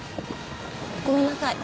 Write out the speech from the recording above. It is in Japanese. ごめんなさい。